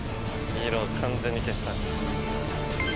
黄色を完全に消した。